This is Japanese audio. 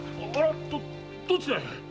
どちらへ？